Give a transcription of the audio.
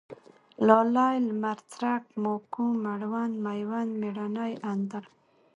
لالی ، لمرڅرک ، ماکو ، مړوند ، مېوند ، مېړنی، اندړ